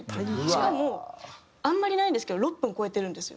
しかもあんまりないんですけど６分超えてるんですよ。